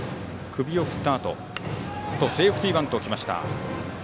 首を振ったあとセーフティーバントがきました。